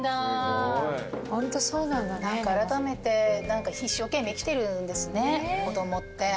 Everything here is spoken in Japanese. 何かあらためて一生懸命生きてるんですね子供って。